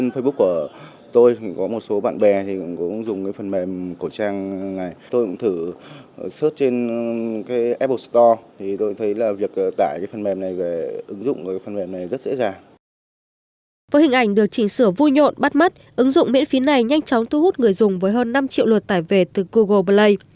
với hình ảnh được chỉnh sửa vui nhộn bắt mắt ứng dụng miễn phí này nhanh chóng thu hút người dùng với hơn năm triệu luật tải về từ google play